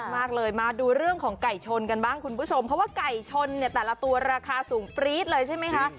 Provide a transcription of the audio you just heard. มากเลยมาดูเรื่องของไก่ชนกันบ้างคุณผู้ชมเพราะว่าไก่ชนเนี่ยแต่ละตัวราคาสูงปรี๊ดเลยใช่ไหมคะ